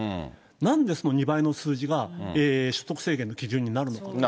なんでその２倍の数字が所得制限の基準になるのか。